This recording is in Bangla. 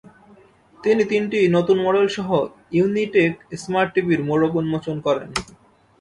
তিনি তিনটি নতুন মডেলসহ ইউনিটেক স্মার্ট টিভির মোড়ক উন্মোচন করেন।